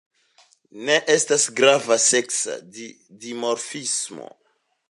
Ne estas grava seksa dimorfismo.